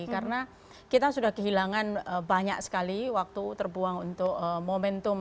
karena kita sudah kehilangan banyak sekali waktu terbuang untuk momentum